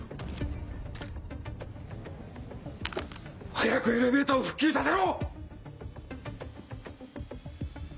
早くエレベーターを復旧させろ！